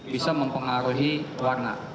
bisa mempengaruhi warna